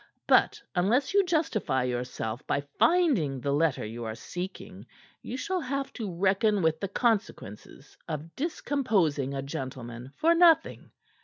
But unless you justify yourself by finding the letter you are seeking, you shall have to reckon with the consequences of discomposing a gentleman for nothing.